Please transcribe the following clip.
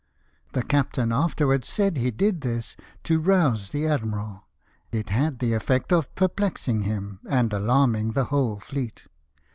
The captain afterwards said he did this to rouse the admiral ; it had the effect of perplexing hiui, and alarming the whole fleet.